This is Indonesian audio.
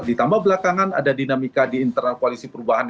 ditambah belakangan ada dinamika di internal koalisi perubahan